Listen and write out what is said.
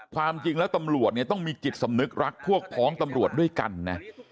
ความจริงแล้วตำรวจเนี่ยต้องมีจิตสำนึกรักพวกพ้องตำรวจด้วยกันนะ